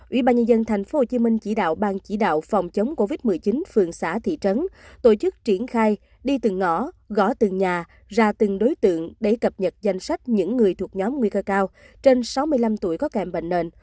ủy ban nhân dân tp hcm chỉ đạo bang chỉ đạo phòng chống covid một mươi chín phường xã thị trấn tổ chức triển khai đi từng ngõ gõ từng nhà ra từng đối tượng để cập nhật danh sách những người thuộc nhóm nguy cơ cao trên sáu mươi năm tuổi có kèm bệnh nền